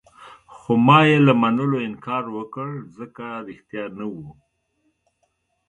خو ما يې له منلو انکار وکړ، ځکه ريښتیا نه وو.